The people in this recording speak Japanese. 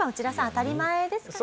当たり前ですかね？